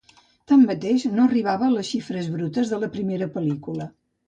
Tanmateix, no arribava a les xifres brutes de la primera pel·lícula.